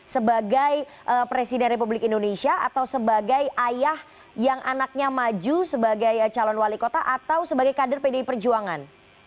sebagai presiden republik indonesia atau sebagai ayah yang anaknya maju sebagai calon wali kota atau sebagai kader pdi perjuangan